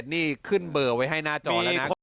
นี่ขึ้นเบอร์ไว้ให้หน้าจอแล้วนะ